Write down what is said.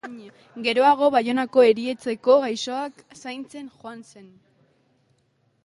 Geroago Baionako erietxeko gaixoak zaintzen joan zen.